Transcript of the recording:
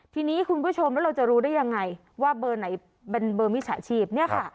ทีนี้คุณผู้ชมแล้วเราจะรู้ได้ยังไงว่าเบอร์ไหนเป็นเบอร์มิจฉาชีพเนี่ยค่ะ